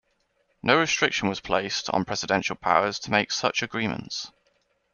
No restriction was placed on presidential powers to make such agreements.